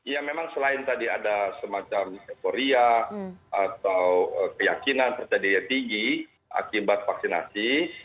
ya memang selain tadi ada semacam euforia atau keyakinan terjadinya tinggi akibat vaksinasi